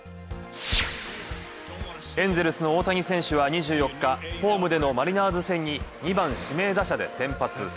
エンゼルスの大谷選手は２４日、ホームでのマリナーズ戦に「２番・指名打者」で先発。